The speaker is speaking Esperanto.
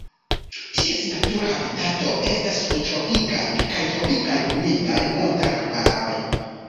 Ties natura habitato estas subtropikaj kaj tropikaj humidaj montararbaroj.